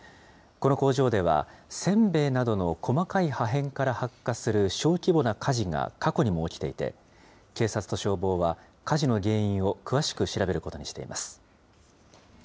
この工場では、せんべいなどの細かい破片から発火する小規模な火事が過去にも起きていて、警察と消防は火事の原因を詳しく調べることにしています。